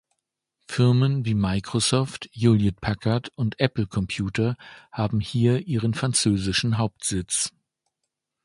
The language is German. Firmen wie Microsoft, Hewlett-Packard und Apple Computer haben hier ihren französischen Hauptsitz.